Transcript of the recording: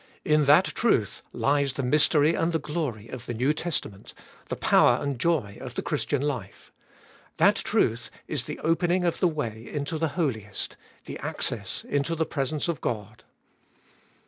In that truth lies the mystery and the glory of the New Testament, the power and joy of the Christian life. That truth is the opening of the way into the Holiest, the access into the presence of God.